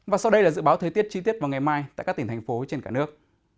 và sau đây là dự báo thời tiết chi tiết vào ngày mai tại các tỉnh thành phố trên cả nước